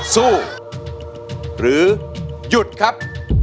สู้หรือหยุดครับ